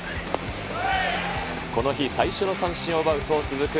この日最初の三振を奪うと続く